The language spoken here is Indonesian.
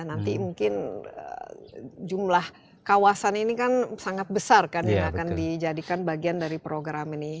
nanti mungkin jumlah kawasan ini kan sangat besar kan yang akan dijadikan bagian dari program ini